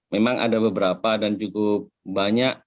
memang ada beberapa dan cukup banyak